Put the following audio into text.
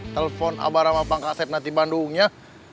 telepon abah ramah pangkaset nanti bandung ya